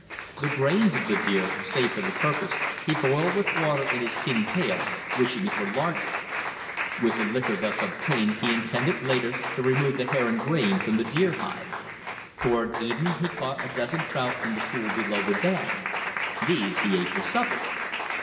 The brains of the deer, saved for the purpose, he boiled with water in his tin pail, wishing it were larger. With the liquor thus obtained he intended later to remove the hair and grain from the deer hide. Toward evening he caught a dozen trout in the pool below the dam. These he ate for supper.